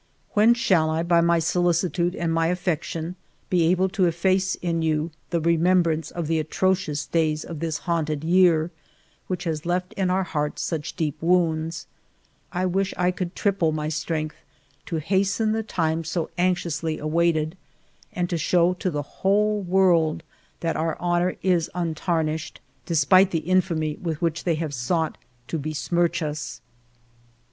" When shall I by my solicitude and my affec tion be able to efface in you the remembrance of the atrocious days of this haunted year, which has left in our hearts such deep wounds ? I wish ALFRED DREYFUS 173 I could triple my strength, to hasten the time so anxiously awaited, and to show to the whole world that our honor is untarnished, despite the infamy with which they have sought to besmirch us."